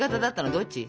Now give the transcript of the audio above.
どっち？